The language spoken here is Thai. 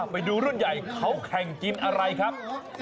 ไปดูรุ่นใหญ่เขาแข่งกินอะไรครับ